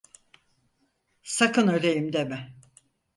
Sakın öleyim deme.